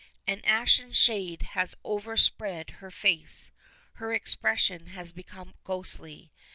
An ashen shade has overspread her face; her expression has become ghostly.